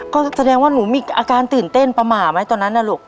ก็แสดงว่าหนูมีอาการตื่นเต้นประมาทไหมตอนนั้นนะลูก